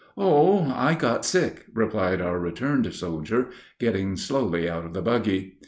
"Oh, I got sick!" replied our returned soldier, getting slowly out of the buggy.